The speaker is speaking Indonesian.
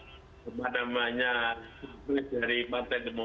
karena kalau dia akan menjadi role play dia akan menjadi role play